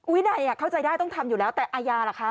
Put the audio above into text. วินัยเข้าใจได้ต้องทำอยู่แล้วแต่อาญาล่ะคะ